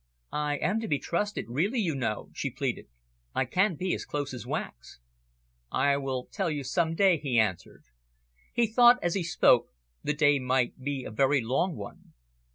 "I am to be trusted, really, you know," she pleaded. "I can be as close as wax." "I will tell you some day," he answered. He thought, as he spoke, the day might be a very long one.